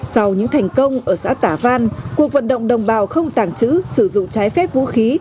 sau những thành công ở xã tả văn cuộc vận động đồng bào không tàng trữ sử dụng trái phép vũ khí